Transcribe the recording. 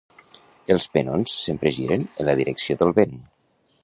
Els penons sempre giren en la direcció del vent.